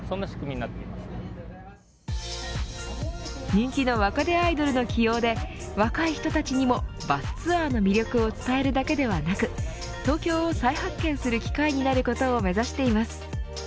人気の若手アイドルの起用で若い人たちにもバスツアーの魅力を伝えるだけではなく東京を再発見する機会になることを目指しています。